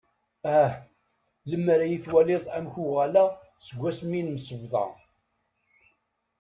Ah lamer ad iyi-twaliḍ amek uɣaleɣ seg wass mi nemsebḍa.